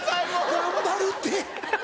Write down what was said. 頑張るって。